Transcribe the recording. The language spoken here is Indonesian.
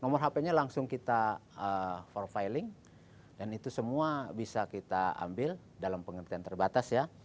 nomor hp nya langsung kita profiling dan itu semua bisa kita ambil dalam pengertian terbatas ya